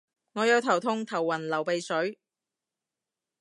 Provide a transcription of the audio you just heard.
我有頭痛頭暈流鼻水